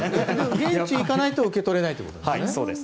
現地に行かないと受け取れないってことですよね。